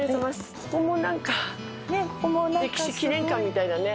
ここもなんか歴史記念館みたいだね。